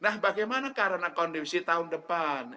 nah bagaimana karena kondisi tahun depan